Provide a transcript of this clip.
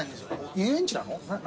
遊園地なの？